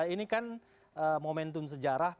ini kan momentum sejarah